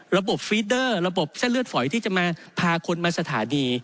ฟีดเดอร์ระบบเส้นเลือดฝอยที่จะมาพาคนมาสถานี